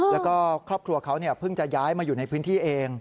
แล้วก็ครอบครัวเขาเพิ่งจะย้ายมาอยู่ในพื้นที่เอง